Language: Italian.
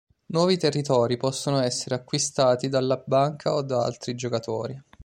Nuovi territori possono essere acquistati dalla banca o da altri giocatori.